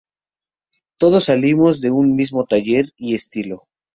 Todos salidos de un mismo taller y estilo.